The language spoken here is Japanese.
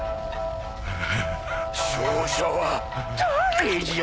勝者は誰じゃ。